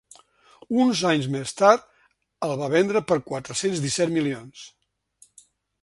Uns anys més tard, el va vendre per quatre-cents disset milions.